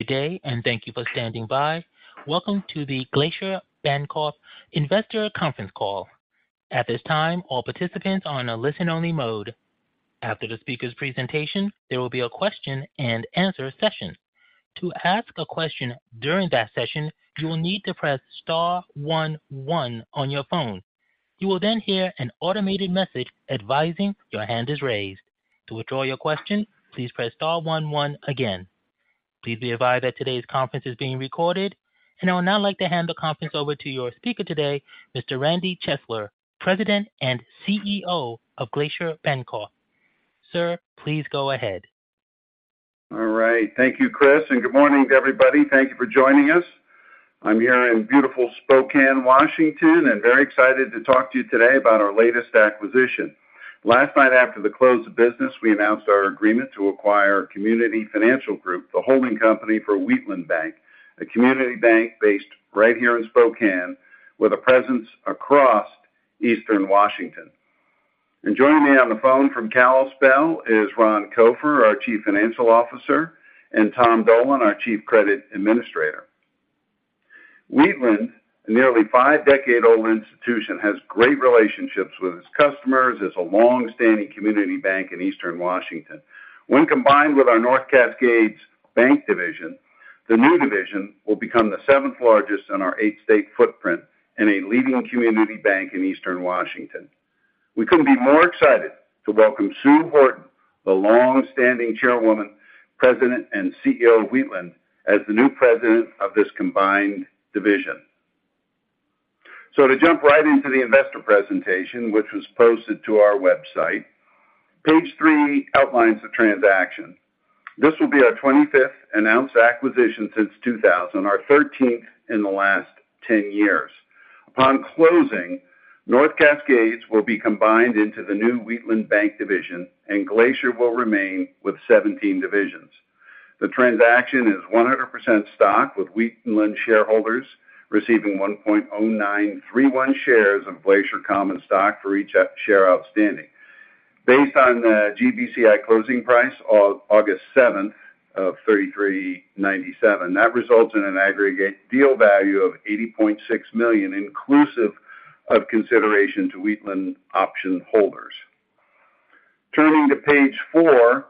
Good day, and thank you for standing by. Welcome to the Glacier Bancorp investor conference call. At this time, all participants are on a listen-only mode. After the speaker's presentation, there will be a question and answer session. To ask a question during that session, you will need to press star one one on your phone. You will then hear an automated message advising your hand is raised. To withdraw your question, please press star one one again. Please be advised that today's conference is being recorded. I would now like to hand the conference over to your speaker today, Mr. Randy Chesler, President and CEO of Glacier Bancorp. Sir, please go ahead. All right. Thank you, Chris, and good morning to everybody. Thank you for joining us. I'm here in beautiful Spokane, Washington, and very excited to talk to you today about our latest acquisition. Last night, after the close of business, we announced our agreement to acquire Community Financial Group, the holding company for Wheatland Bank, a community bank based right here in Spokane, with a presence across Eastern Washington. Joining me on the phone from Kalispell is Ron Copher, our Chief Financial Officer, and Tom Dolan, our Chief Credit Administrator. Wheatland, a nearly five-decade-old institution, has great relationships with its customers as a long-standing community bank in Eastern Washington. When combined with our North Cascades Bank division, the new division will become the seventh largest in our eight-state footprint and a leading community bank in Eastern Washington. We couldn't be more excited to welcome Susan Horton, the long-standing Chairwoman, President, and CEO of Wheatland, as the new president of this combined division. To jump right into the investor presentation, which was posted to our website, page three outlines the transaction. This will be our 25th announced acquisition since 2000, our 13th in the last 10 years. Upon closing, North Cascades will be combined into the new Wheatland Bank division, and Glacier will remain with 17 divisions. The transaction is 100% stock, with Wheatland shareholders receiving 1.0931 shares of Glacier common stock for each share outstanding. Based on the GBCI closing price of August 7th of $33.97, that results in an aggregate deal value of $80.6 million, inclusive of consideration to Wheatland option holders. Turning to page four,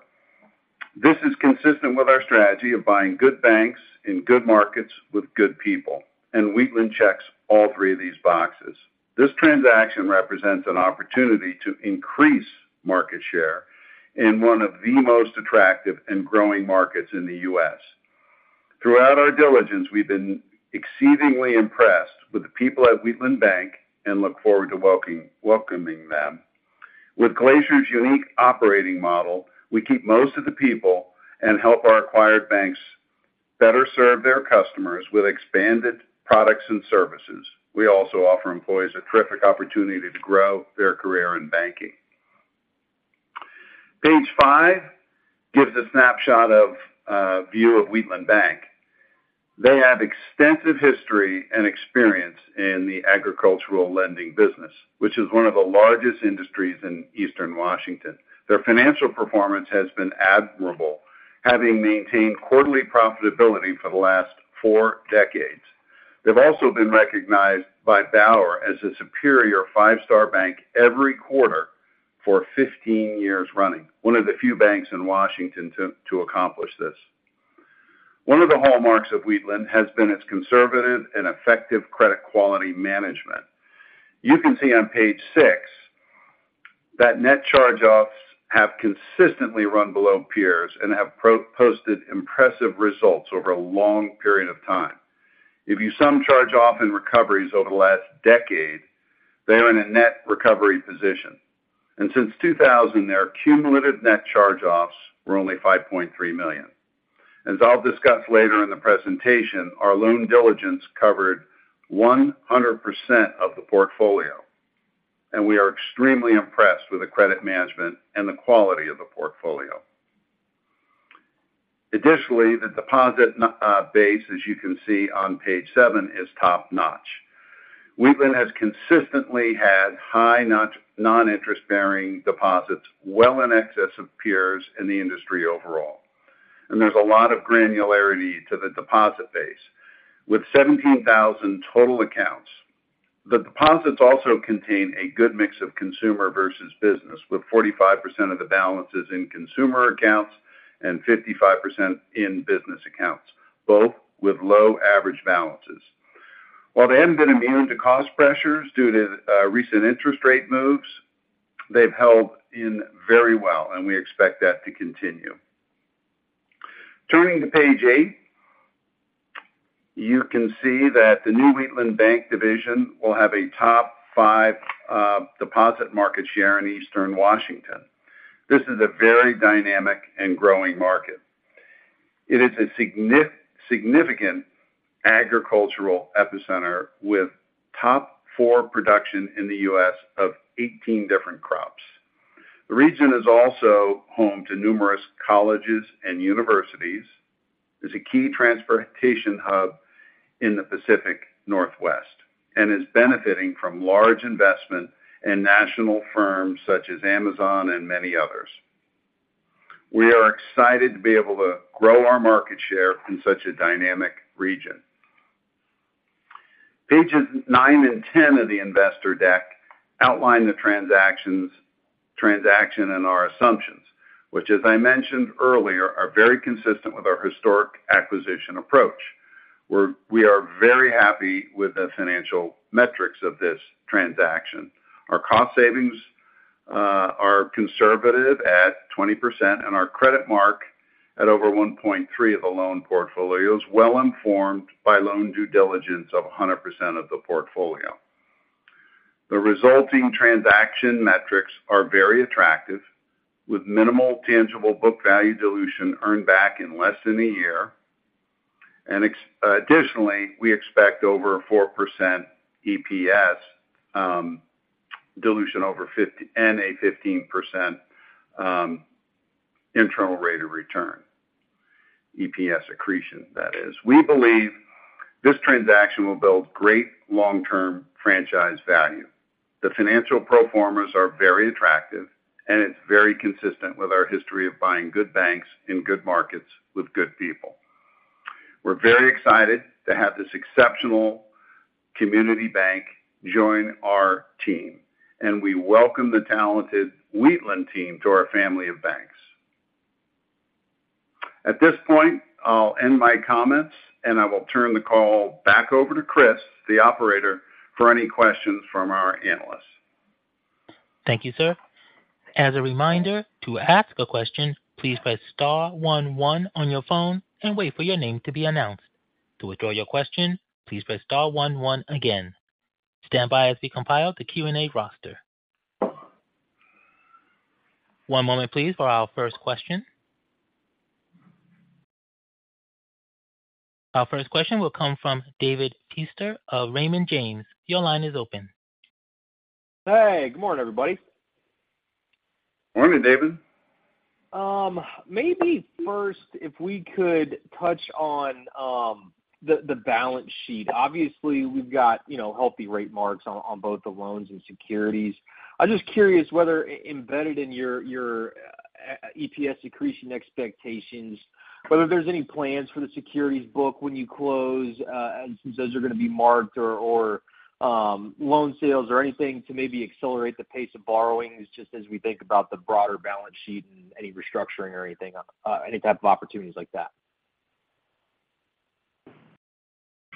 this is consistent with our strategy of buying good banks in good markets with good people, Wheatland checks all three of these boxes. This transaction represents an opportunity to increase market share in one of the most attractive and growing markets in the U.S. Throughout our diligence, we've been exceedingly impressed with the people at Wheatland Bank and look forward to welcoming them. With Glacier's unique operating model, we keep most of the people and help our acquired banks better serve their customers with expanded products and services. We also offer employees a terrific opportunity to grow their career in banking. Page five gives a snapshot of view of Wheatland Bank. They have extensive history and experience in the agricultural lending business, which is one of the largest industries in Eastern Washington. Their financial performance has been admirable, having maintained quarterly profitability for the last four decades. They've also been recognized by Bauer as a superior five-star bank every quarter for 15 years running, one of the few banks in Washington to accomplish this. One of the hallmarks of Wheatland has been its conservative and effective credit quality management. You can see on page six that net charge-offs have consistently run below peers and have posted impressive results over a long period of time. If you sum charge-off in recoveries over the last decade, they are in a net recovery position, and since 2000, their cumulative net charge-offs were only $5.3 million. As I'll discuss later in the presentation, our loan diligence covered 100% of the portfolio, and we are extremely impressed with the credit management and the quality of the portfolio. Additionally, the deposit base, as you can see on page seven, is top-notch. Wheatland has consistently had non-interest-bearing deposits, well in excess of peers in the industry overall. There's a lot of granularity to the deposit base. With 17,000 total accounts, the deposits also contain a good mix of consumer versus business, with 45% of the balances in consumer accounts and 55% in business accounts, both with low average balances. While they haven't been immune to cost pressures due to recent interest rate moves, they've held in very well, and we expect that to continue. Turning to page eight, you can see that the new Wheatland Bank division will have a top five deposit market share in Eastern Washington. This is a very dynamic and growing market. It is a significant agricultural epicenter with top four production in the U.S. of 18 different crops. The region is also home to numerous colleges and universities, is a key transportation hub in the Pacific Northwest and is benefiting from large investment and national firms such as Amazon and many others. We are excited to be able to grow our market share in such a dynamic region. Pages nine and 10 of the investor deck outline the transaction and our assumptions, which, as I mentioned earlier, are very consistent with our historic acquisition approach, where we are very happy with the financial metrics of this transaction. Our cost savings are conservative at 20%, and our credit mark at over 1.3 of the loan portfolio is well informed by loan due diligence of 100% of the portfolio. The resulting transaction metrics are very attractive, with minimal tangible book value dilution earned back in less than a year. Additionally, we expect over 4% EPS dilution and a 15% internal rate of return. EPS accretion, that is. We believe this transaction will build great long-term franchise value. The financial pro formas are very attractive, and it's very consistent with our history of buying good banks in good markets with good people. We're very excited to have this exceptional community bank join our team, and we welcome the talented Wheatland team to our family of banks. At this point, I'll end my comments, and I will turn the call back over to Chris, the operator, for any questions from our analysts. Thank you, sir. As a reminder, to ask a question, please press star one, one on your phone and wait for your name to be announced. To withdraw your question, please press star one, one again. Stand by as we compile the Q&A roster. One moment, please, for our first question. Our first question will come from David Feaster of Raymond James. Your line is open. Hey, good morning, everybody. Morning, David. Maybe first, if we could touch on the balance sheet. Obviously, we've got, you know, healthy rate marks on both the loans and securities. I'm just curious whether embedded in your, your EPS accretion expectations, whether there's any plans for the securities book when you close, since those are going to be marked or, or loan sales or anything to maybe accelerate the pace of borrowings, just as we think about the broader balance sheet and any restructuring or anything, any type of opportunities like that.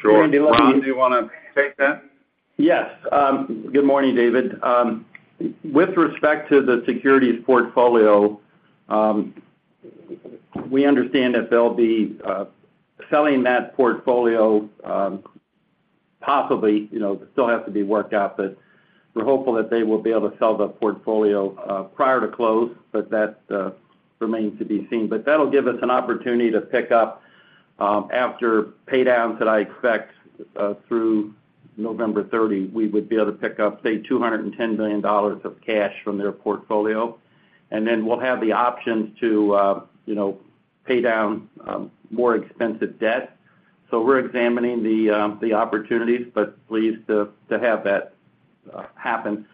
Sure. Ron, do you want to take that? Yes. Good morning, David. With respect to the securities portfolio, we understand that they'll be selling that portfolio, possibly, you know, still has to be worked out, but we're hopeful that they will be able to sell the portfolio prior to close, but that remains to be seen. That'll give us an opportunity to pick up, after pay downs that I expect, through November 30, we would be able to pick up, say, $210 million of cash from their portfolio. Then we'll have the options to, you know, pay down more expensive debt. We're examining the opportunities, but pleased to, to have that happen.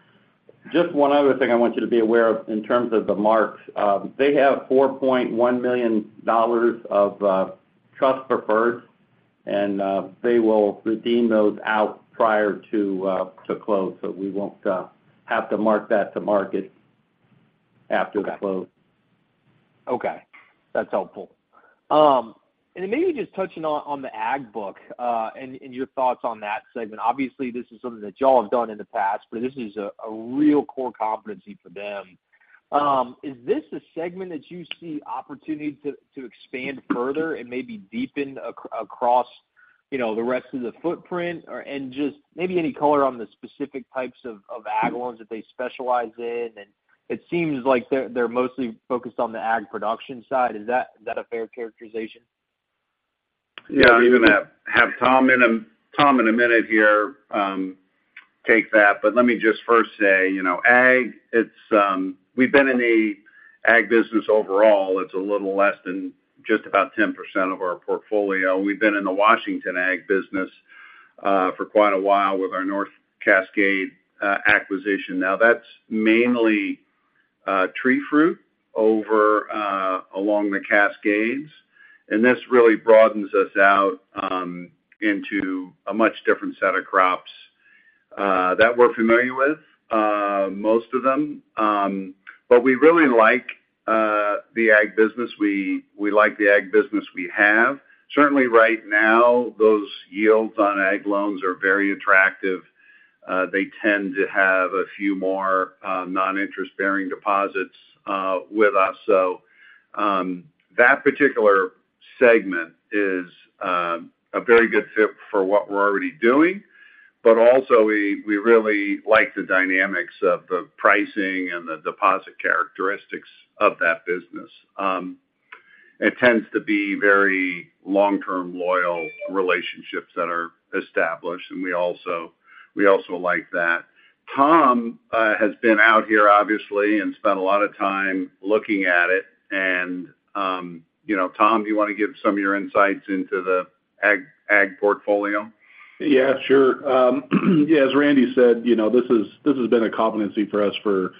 Just one other thing I want you to be aware of in terms of the marks. They have $4.1 million of Trust Preferred, they will redeem those out prior to close. We won't have to mark that to market after the close. Okay, that's helpful. Maybe just touching on, on the AG Book, and, and your thoughts on that segment. Obviously, this is something that y'all have done in the past, but this is a, a real core competency for them. Is this a segment that you see opportunity to, to expand further and maybe deepen across, you know, the rest of the footprint? Just maybe any color on the specific types of, of ag loans that they specialize in. It seems like they're, they're mostly focused on the ag production side. Is that, is that a fair characterization? Yeah, I'm going to have Tom in a minute here, take that. Let me just first say, you know, ag, it's, we've been in a ag business overall. It's a little less than just about 10% of our portfolio. We've been in the Washington ag business for quite a while with our North Cascades acquisition. That's mainly tree fruit over along the Cascades. This really broadens us out into a much different set of crops that we're familiar with, most of them. We really like the ag business. We like the ag business we have. Certainly right now, those yields on ag loans are very attractive. They tend to have a few more non-interest-bearing deposits with us. That particular segment is a very good fit for what we're already doing, but also we, we really like the dynamics of the pricing and the deposit characteristics of that business. It tends to be very long-term, loyal relationships that are established, and we also, we also like that. Tom has been out here, obviously, and spent a lot of time looking at it. You know, Tom, do you want to give some of your insights into the ag, ag portfolio? Yeah, sure. As Randy said, you know, this has been a competency for us for,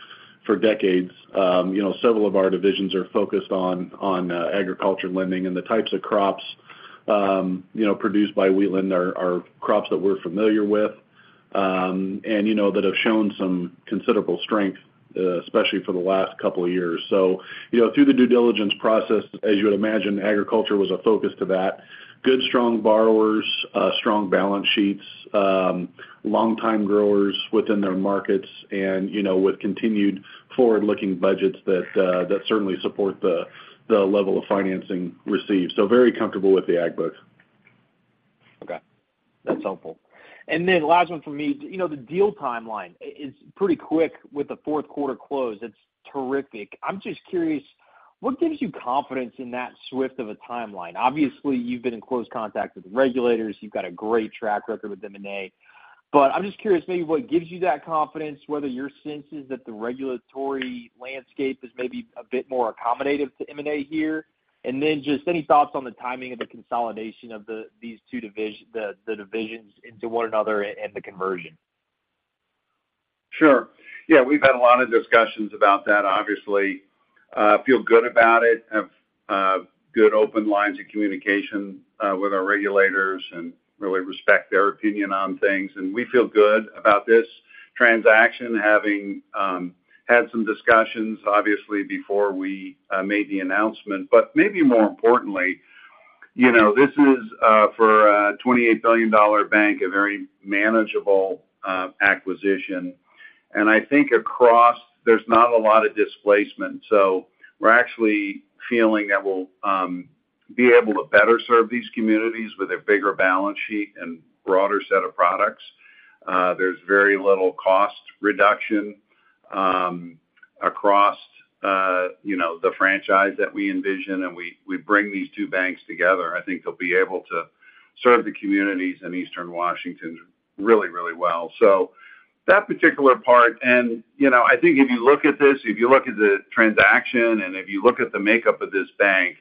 for decades. You know, several of our divisions are focused on, on agriculture lending and the types of crops, you know, produced by Wheatland are, are crops that we're familiar with, and, you know, that have shown some considerable strength, especially for the last couple of years. You know, through the due diligence process, as you would imagine, agriculture was a focus to that. Good, strong borrowers, strong balance sheets, long-time growers within their markets, and, you know, with continued forward-looking budgets that certainly support the, the level of financing received. Very comfortable with the AG Book. Okay, that's helpful. Then last one for me. You know, the deal timeline is pretty quick with the fourth quarter close. It's terrific. I'm just curious, what gives you confidence in that swift of a timeline? Obviously, you've been in close contact with the regulators. You've got a great track record with M&A. I'm just curious, maybe what gives you that confidence, whether your sense is that the regulatory landscape is maybe a bit more accommodative to M&A here? Then just any thoughts on the timing of the consolidation of these two divisions into one another and the conversion. Sure. Yeah, we've had a lot of discussions about that, obviously. Feel good about it, have good open lines of communication with our regulators and really respect their opinion on things. We feel good about this transaction, having had some discussions, obviously, before we made the announcement. maybe more importantly, you know, this is for a $28 billion bank, a very manageable acquisition. I think across, there's not a lot of displacement. We're actually feeling that we'll be able to better serve these communities with a bigger balance sheet and broader set of products. There's very little cost reduction across, you know, the franchise that we envision, and we, we bring these two banks together. I think they'll be able to serve the communities in Eastern Washington really, really well. That particular part, and, you know, I think if you look at this, if you look at the transaction, and if you look at the makeup of this bank,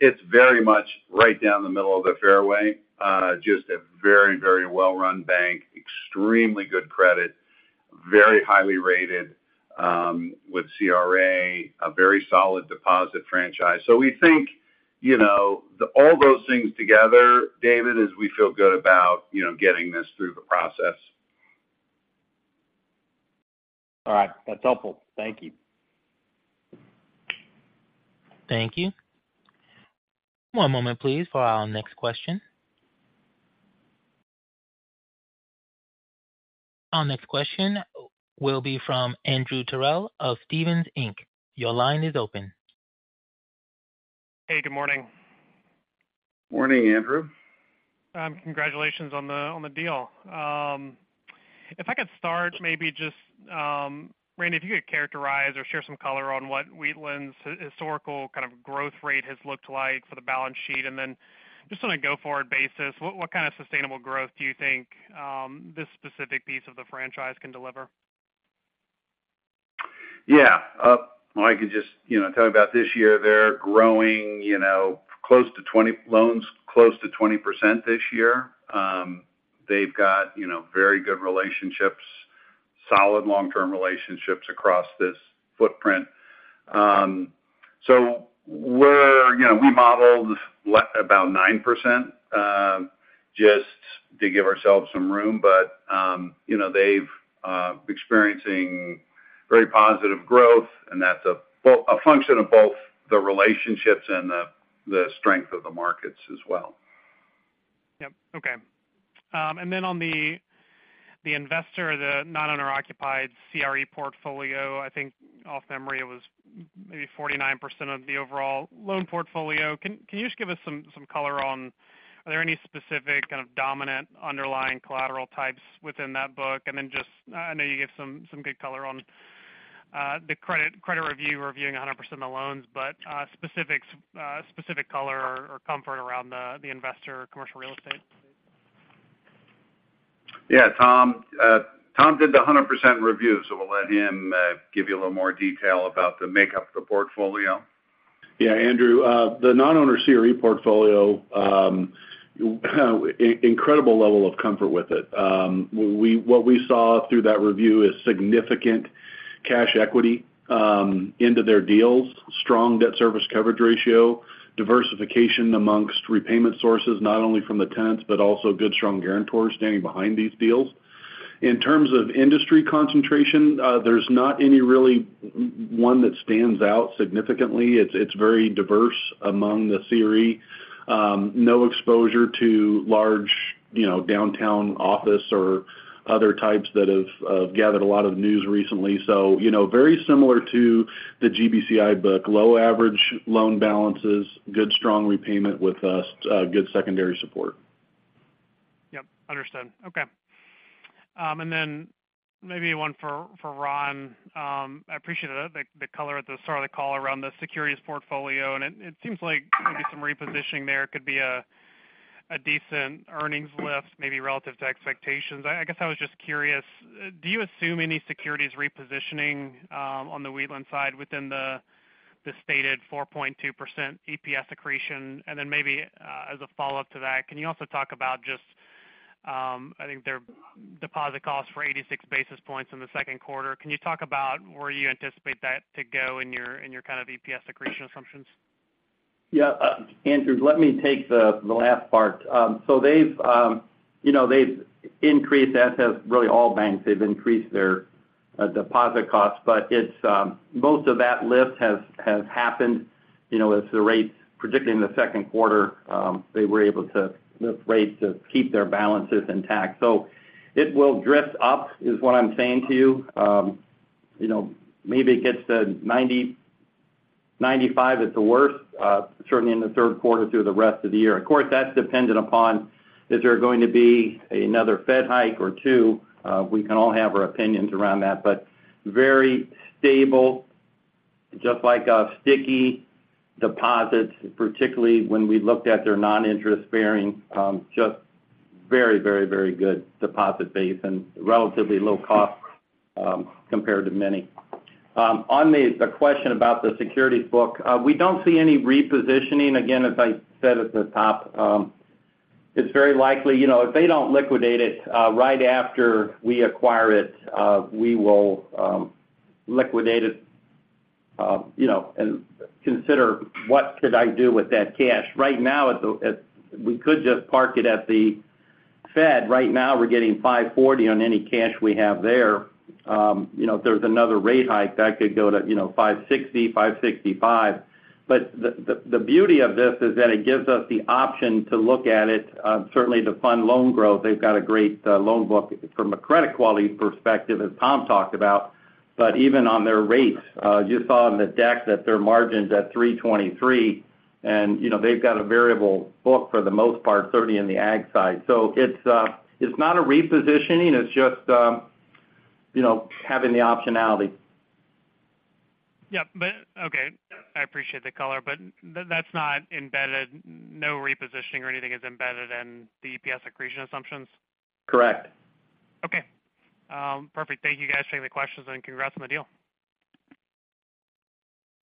it's very much right down the middle of the fairway. Just a very, very well-run bank, extremely good credit, very highly rated, with CRA, a very solid deposit franchise. We think, you know, all those things together, David, is we feel good about, you know, getting this through the process. All right. That's helpful. Thank you. Thank you. One moment, please, for our next question. Our next question will be from Andrew Terrell of Stephens Inc. Your line is open. Hey, good morning. Morning, Andrew. Congratulations on the, on the deal. If I could start, maybe just Randy, if you could characterize or share some color on what Wheatland's historical kind of growth rate has looked like for the balance sheet, and then just on a go-forward basis, what, what kind of sustainable growth do you think this specific piece of the franchise can deliver? Yeah, well, I could just, you know, tell you about this year. They're growing, you know, close to loans close to 20% this year. They've got, you know, very good relationships, solid long-term relationships across this footprint. So we're, you know, we modeled about 9%, just to give ourselves some room. You know, they've experiencing very positive growth, and that's a function of both the relationships and the, the strength of the markets as well. Yep. Okay. Then on the, the investor, the non-owner occupied CRE portfolio, I think off memory, it was maybe 49% of the overall loan portfolio. Can you just give us some, some color on, are there any specific kind of dominant underlying collateral types within that book? Then just, I know you gave some, some good color on, the credit review, reviewing 100% of the loans, but specifics, specific color or comfort around the, the investor commercial real estate? Yeah, Tom, Tom did the 100% review, so we'll let him give you a little more detail about the makeup of the portfolio. Yeah, Andrew, the non-owner CRE portfolio, incredible level of comfort with it. We, what we saw through that review is significant cash equity into their deals, strong debt service coverage ratio, diversification amongst repayment sources, not only from the tenants, but also good, strong guarantors standing behind these deals. In terms of industry concentration, there's not any really one that stands out significantly. It's, it's very diverse among the CRE. No exposure to large, you know, downtown office or other types that have gathered a lot of news recently. You know, very similar to the GBCI book, low average loan balances, good, strong repayment with good secondary support. Yep, understood. Okay. Then maybe one for, for Ron. I appreciate the, the, the color at the start of the call around the securities portfolio, and it seems like maybe some repositioning there could be a decent earnings lift, maybe relative to expectations. I guess I was just curious, do you assume any securities repositioning on the Wheatland side within the stated 4.2% EPS accretion? Then maybe, as a follow-up to that, can you also talk about just, I think their deposit costs for 86 basis points in the second quarter, can you talk about where you anticipate that to go in your, in your kind of EPS accretion assumptions? Yeah. Andrew, let me take the, the last part. They've, you know, they've increased assets. Really, all banks, they've increased their deposit costs, but it's, most of that lift has, has happened, you know, as the rates, particularly in the second quarter, they were able to lift rates to keep their balances intact. It will drift up, is what I'm saying to you. You know, maybe it gets to 90 basis points, 95 basis points at the worst, certainly in the third quarter through the rest of the year. Of course, that's dependent upon, is there going to be another Fed hike or two? We can all have our opinions around that, but very stable, just like, sticky deposits, particularly when we looked at their non-interest-bearing, just very, very, very good deposit base and relatively low cost, compared to many. On the, the question about the securities book, we don't see any repositioning. Again, as I said at the top, it's very likely, you know, if they don't liquidate it, right after we acquire it, we will liquidate it, you know, and consider what could I do with that cash. Right now, we could just park it at the Fed. Right now, we're getting 5.40% on any cash we have there. You know, if there's another rate hike, that could go to, you know, 5.60%, 5.65%. The, the, the beauty of this is that it gives us the option to look at it, certainly to fund loan growth. They've got a great, loan book from a credit quality perspective, as Tom talked about. Even on their rates, you saw in the deck that their margins at 3.23%, and, you know, they've got a variable book for the most part, certainly in the ag side. It's, it's not a repositioning, it's just, you know, having the optionality. Yeah, okay. I appreciate the color, but that's not embedded, no repositioning or anything is embedded in the EPS accretion assumptions? Correct. Okay. Perfect. Thank you, guys, for taking the questions, and congrats on the deal.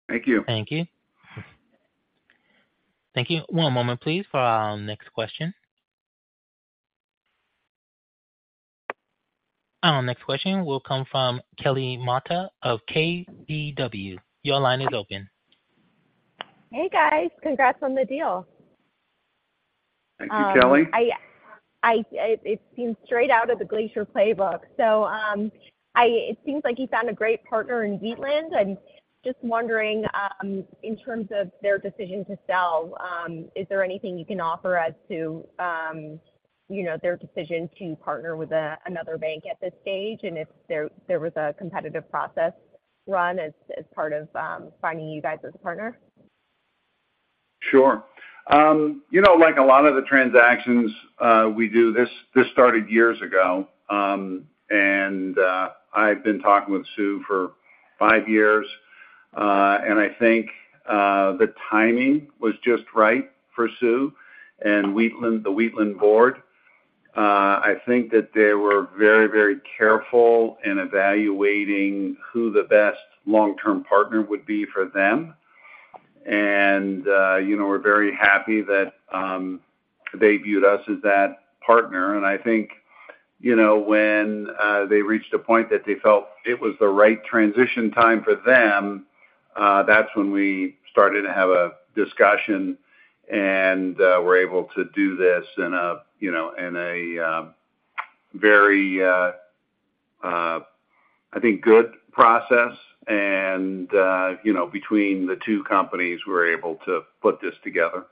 Thank you. Thank you. Thank you. One moment, please, for our next question. Our next question will come from Kelly Motta of KBW. Your line is open. Hey, guys, congrats on the deal. Thank you, Kelly. It seems straight out of the Glacier playbook. It seems like you found a great partner in Wheatland. I'm just wondering, in terms of their decision to sell, is there anything you can offer as to, you know, their decision to partner with, another bank at this stage? If there, there was a competitive process run as, as part of, finding you guys as a partner? Sure. You know, like a lot of the transactions, we do, this, this started years ago. I've been talking with Sue for five years. I think, the timing was just right for Sue and Wheatland, the Wheatland board. I think that they were very, very careful in evaluating who the best long-term partner would be for them. You know, we're very happy that, they viewed us as that partner. I think, you know, when, they reached a point that they felt it was the right transition time for them, that's when we started to have a discussion, and, we're able to do this in a, you know, in a, very, I think, good process. You know, between the two companies, we're able to put this together.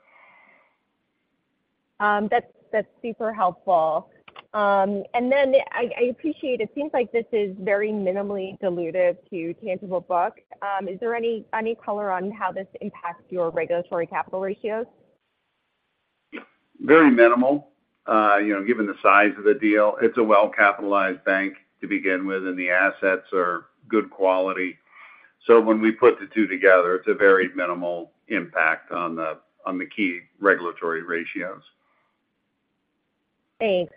That's, that's super helpful. I, I appreciate it seems like this is very minimally dilutive to tangible book. Is there any, any color on how this impacts your regulatory capital ratios? Very minimal. you know, given the size of the deal, it's a well-capitalized bank to begin with, and the assets are good quality. When we put the two together, it's a very minimal impact on the, on the key regulatory ratios. Thanks.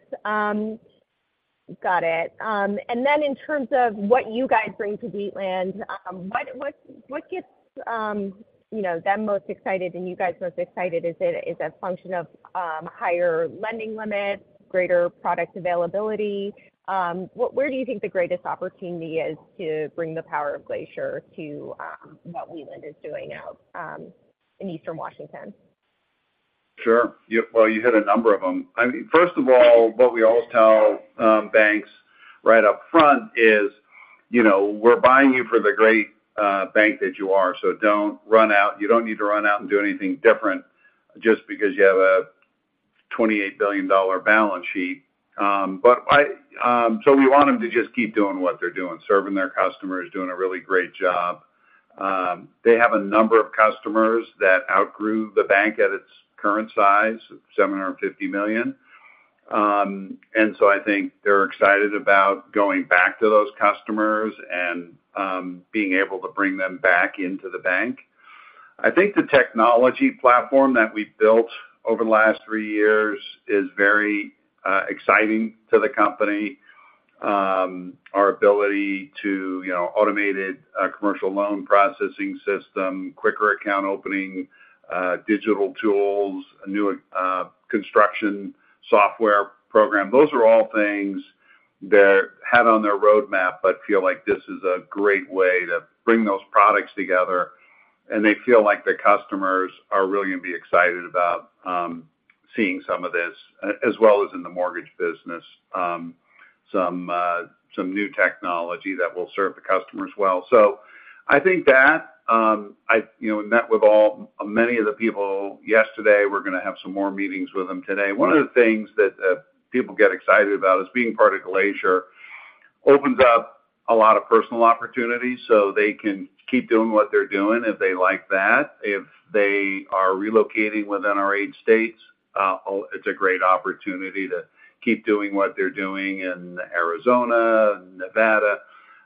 Got it. In terms of what you guys bring to Wheatland, what, what, what gets, you know, them most excited and you guys most excited? Is it a function of, higher lending limits, greater product availability? Where do you think the greatest opportunity is to bring the power of Glacier to what Wheatland is doing out in Eastern Washington? Sure. Yep, well, you hit a number of them. I mean, first of all, what we always tell, banks right up front is, you know, we're buying you for the great, bank that you are, so don't run out. You don't need to run out and do anything different just because you have a $28 billion balance sheet. But I, so we want them to just keep doing what they're doing, serving their customers, doing a really great job. They have a number of customers that outgrew the bank at its current size, $750 million. I think they're excited about going back to those customers and being able to bring them back into the bank. I think the technology platform that we've built over the last three years is very exciting to the company. Our ability to, you know, automated commercial loan processing system, quicker account opening, digital tools, a new construction software program. Those are all things that had on their roadmap, but feel like this is a great way to bring those products together, and they feel like their customers are really going to be excited about seeing some of this, as well as in the mortgage business, some new technology that will serve the customers well. I think that I, you know, met with many of the people yesterday. We're gonna have some more meetings with them today. One of the things that people get excited about is being part of Glacier, opens up a lot of personal opportunities, so they can keep doing what they're doing, if they like that. If they are relocating within our eight states, it's a great opportunity to keep doing what they're doing in Arizona, Nevada,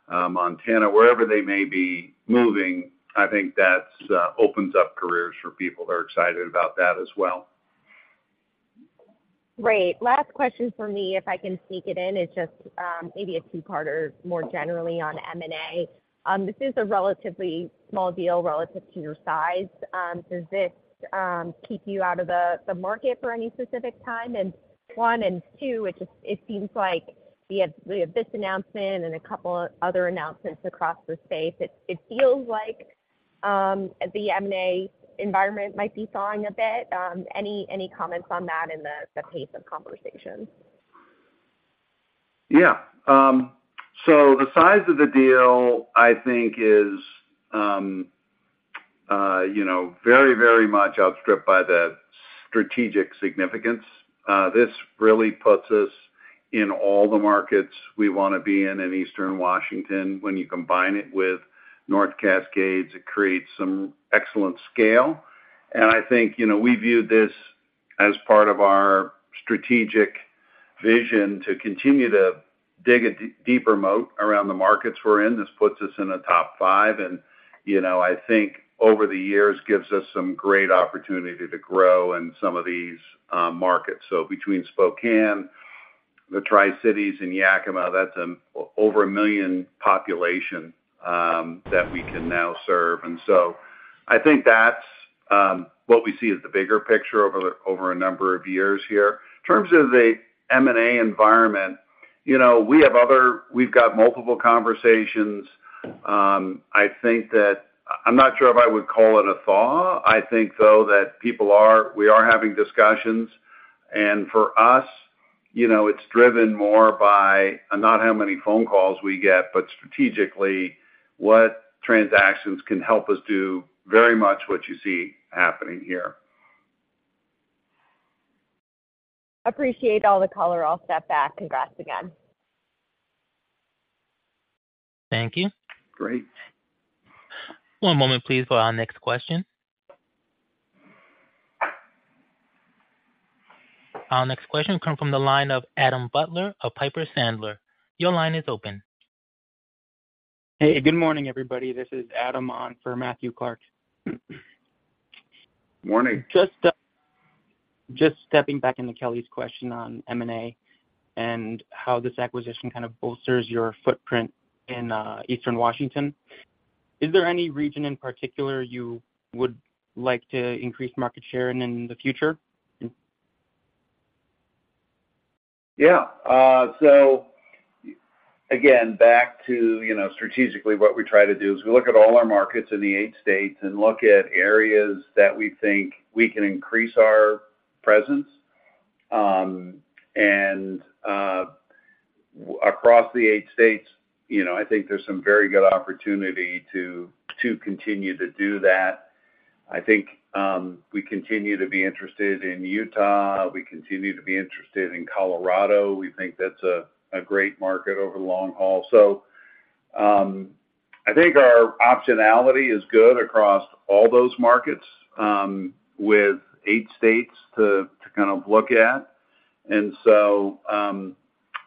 Montana, wherever they may be moving. I think that's opens up careers for people. They're excited about that as well. Great. Last question from me, if I can sneak it in. It's just, maybe a two-parter, more generally on M&A. This is a relatively small deal relative to your size. Does this, keep you out of the, the market for any specific time? One, and two, it just-- it seems like we have, we have this announcement and a couple of other announcements across the space. It, it feels like, the M&A environment might be thawing a bit. Any, any comments on that and the, the pace of conversations? Yeah. The size of the deal, I think is, you know, very, very much outstripped by the strategic significance. This really puts us in all the markets we want to be in, in Eastern Washington. When you combine it with North Cascades, it creates some excellent scale. I think, you know, we view this as part of our strategic vision to continue to dig a deeper moat around the markets we're in. This puts us in the top five, and, you know, I think over the years gives us some great opportunity to grow in some of these markets. Between Spokane, the Tri-Cities, and Yakima, that's an over million population that we can now serve. I think that's what we see as the bigger picture over, over a number of years here. In terms of the M&A environment, you know, we have other, we've got multiple conversations. I think that. I'm not sure if I would call it a thaw. I think, though, that people are, we are having discussions. For us, you know, it's driven more by not how many phone calls we get, but strategically, what transactions can help us do very much what you see happening here. Appreciate all the color. I'll step back. Congrats again. Thank you. Great. One moment, please, for our next question. Our next question come from the line of Adam Butler of Piper Sandler. Your line is open. Hey, good morning, everybody. This is Adam, on for Matthew Clark. Morning. Just, just stepping back into Kelly's question on M&A and how this acquisition kind of bolsters your footprint in Eastern Washington. Is there any region in particular you would like to increase market share in, in the future? Yeah. Again, back to, you know, strategically, what we try to do is we look at all our markets in the eight states and look at areas that we think we can increase our presence. Across the eight states, you know, I think there's some very good opportunity to, to continue to do that. I think, we continue to be interested in Utah. We continue to be interested in Colorado. We think that's a, a great market over the long haul. I think our optionality is good across all those markets, with eight states to, to kind of look at.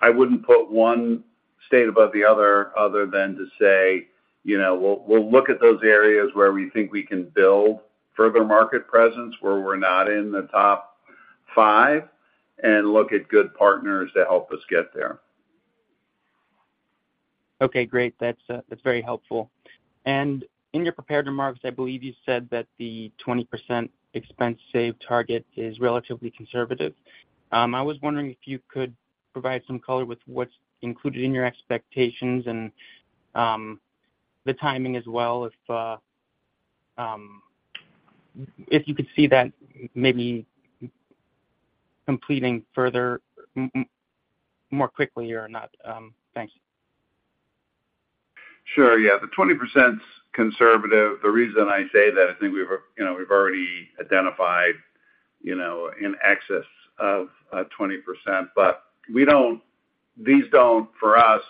I wouldn't put one state above the other, other than to say, you know, we'll, we'll look at those areas where we think we can build further market presence, where we're not in the top five, and look at good partners to help us get there. Okay, great. That's, that's very helpful. In your prepared remarks, I believe you said that the 20% expense save target is relatively conservative. I was wondering if you could provide some color with what's included in your expectations and, the timing as well, if, if you could see that maybe completing further, more quickly or not? Thank you. Sure. Yeah, the 20%'s conservative. The reason I say that, I think we've, you know, we've already identified, you know, in excess of 20%. We don't, these don't, for us,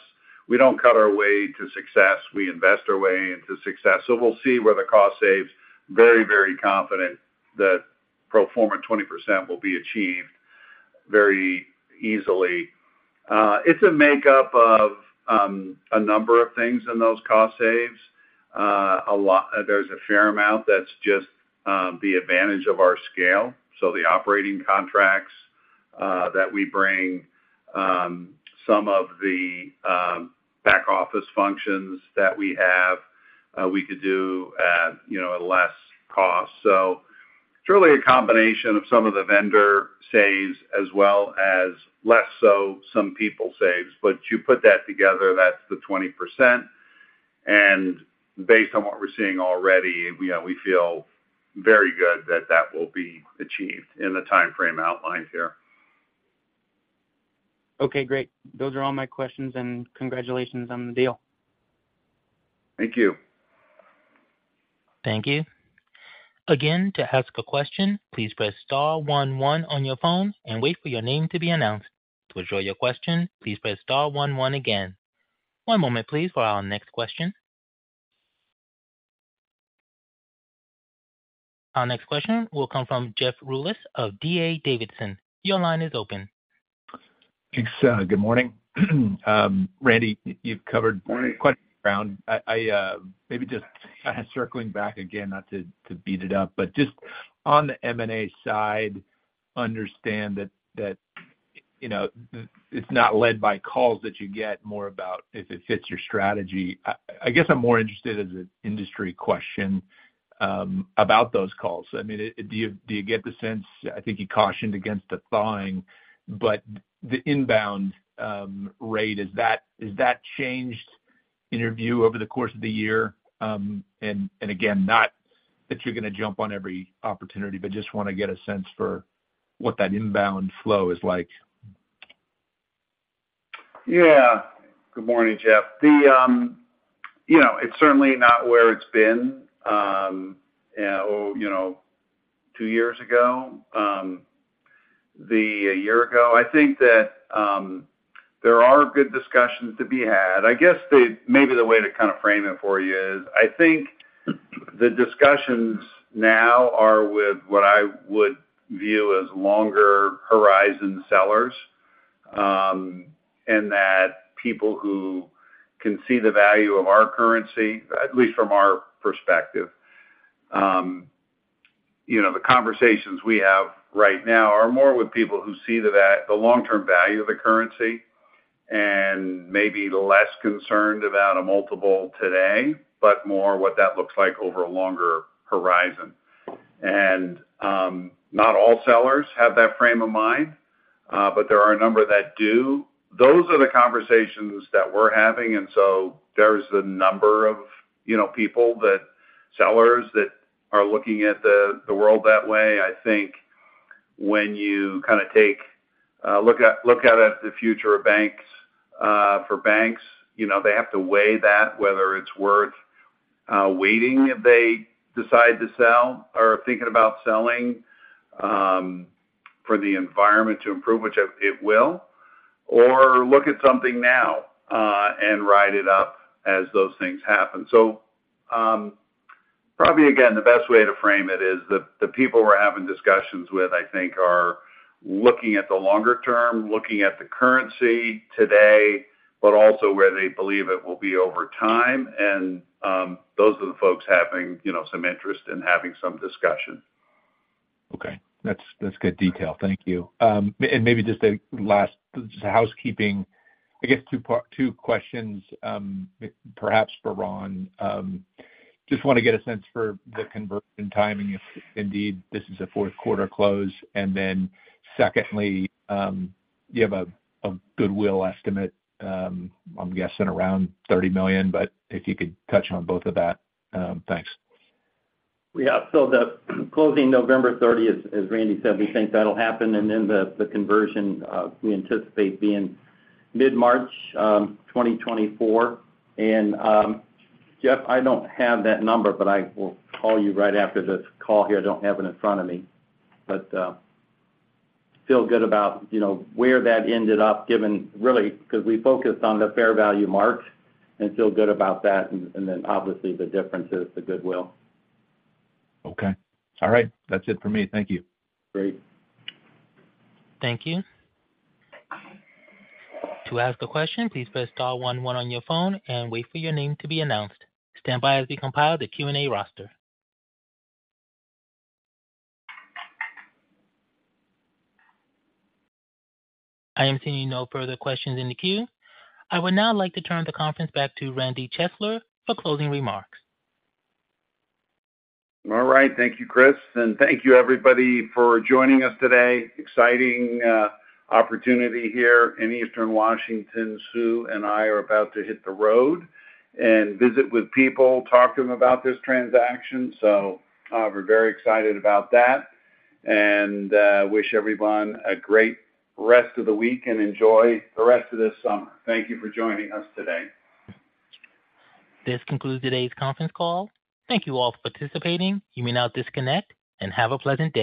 we don't cut our way to success. We invest our way into success. We'll see where the cost saves. Very, very confident that pro forma 20% will be achieved very easily. It's a makeup of a number of things in those cost saves. A lot, there's a fair amount that's just the advantage of our scale. The operating contracts that we bring, some of the back office functions that we have, we could do at, you know, less cost. It's really a combination of some of the vendor saves as well as less so, some people saves. You put that together, that's the 20%, and based on what we're seeing already, we, we feel very good that that will be achieved in the timeframe outlined here. Okay, great. Those are all my questions, and congratulations on the deal. Thank you. Thank you. To ask a question, please press star one, one on your phone and wait for your name to be announced. To withdraw your question, please press star one, one again. One moment, please, for our next question. Our next question will come from Jeff Rulis of D.A. Davidson. Your line is open. Thanks. good morning. Randy, you've covered- Morning. quite a ground. I, maybe just kind of circling back again, not to, to beat it up, but just on the M&A side, understand that, that, you know, it's not led by calls that you get more about if it fits your strategy. I, I guess I'm more interested as an industry question, about those calls. I mean, do you, do you get the sense... I think you cautioned against the thawing, but the inbound, rate, has that, has that changed in your view over the course of the year? Again, not that you're going to jump on every opportunity, but just want to get a sense for what that inbound flow is like. Yeah. Good morning, Jeff. You know, it's certainly not where it's been, you know, two years ago. I think that there are good discussions to be had. I guess the way to kind of frame it for you is, I think the discussions now are with what I would view as longer horizon sellers, and that people who can see the value of our currency, at least from our perspective. You know, the conversations we have right now are more with people who see the long-term value of the currency and maybe less concerned about a multiple today, but more what that looks like over a longer horizon. Not all sellers have that frame of mind, but there are a number that do. Those are the conversations that we're having, there's a number of, you know, people that, sellers that are looking at the, the world that way. I think when you kind of take, look at, look at it, the future of banks, for banks, you know, they have to weigh that, whether it's worth, waiting, if they decide to sell or are thinking about selling, for the environment to improve, which it, it will, or look at something now, and ride it up as those things happen. Probably, again, the best way to frame it is that the people we're having discussions with, I think, are looking at the longer term, looking at the currency today, but also where they believe it will be over time. Those are the folks having, you know, some interest in having some discussion. Okay. That's, that's good detail. Thank you. maybe just a last housekeeping, I guess, two questions, perhaps for Ron. just want to get a sense for the conversion timing, if indeed this is a fourth quarter close. secondly, you have a, a goodwill estimate, I'm guessing around $30 million, but if you could touch on both of that, thanks. Yeah, so the closing November 30th, as Randy said, we think that'll happen, and then the conversion, we anticipate being mid-March 2024. Jeff, I don't have that number, but I will call you right after this call here. I don't have it in front of me, but feel good about, you know, where that ended up, given, really, because we focused on the fair value mark and feel good about that, and then obviously, the difference is the goodwill. Okay. All right. That's it for me. Thank you. Great. Thank you. To ask a question, please press star one, one on your phone and wait for your name to be announced. Stand by as we compile the Q&A roster. I am seeing no further questions in the queue. I would now like to turn the conference back to Randy Chesler for closing remarks. All right. Thank you, Chris, and thank you, everybody, for joining us today. Exciting opportunity here in Eastern Washington. Sue and I are about to hit the road and visit with people, talk to them about this transaction. We're very excited about that, and wish everyone a great rest of the week and enjoy the rest of this summer. Thank you for joining us today. This concludes today's conference call. Thank you all for participating. You may now disconnect and have a pleasant day.